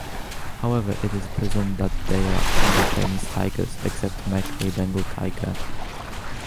However, it is presumed that they are Indochinese tigers, except Mek, a Bengal tiger.